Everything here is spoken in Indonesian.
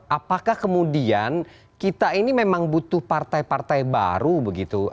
apakah kemudian kita ini memang butuh partai partai baru begitu